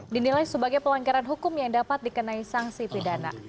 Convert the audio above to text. dinilai sebagai pelanggaran hukum yang dapat dikenai sanksi pidana